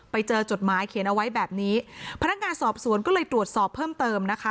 จดหมายเขียนเอาไว้แบบนี้พนักงานสอบสวนก็เลยตรวจสอบเพิ่มเติมนะคะ